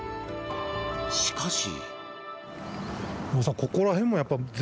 しかし。